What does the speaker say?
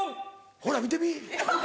ほら見てみ？